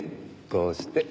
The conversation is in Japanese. こうして。